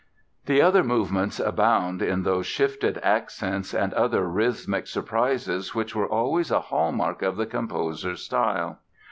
The other movements abound in those shifted accents and other rhythmic surprises which were always a hallmark of the composer's style.